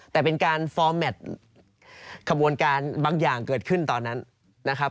แต่เป็นการฟอร์มแมทขบวนการบางอย่างเกิดขึ้นตอนนั้นนะครับ